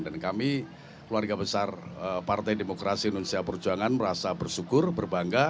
dan kami keluarga besar partai demokrasi indonesia perjuangan merasa bersyukur berbangga